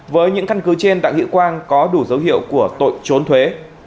với những căn cứ trên tạ hữu quang có đủ dấu hiệu của tội trốn thuế